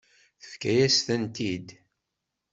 Tefka-yas-tent-id.